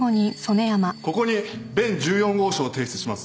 ここに弁１４号証を提出します。